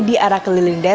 dapat apa aja